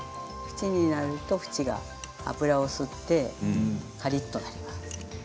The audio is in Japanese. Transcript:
縁にやると油を吸ってカリっとなります。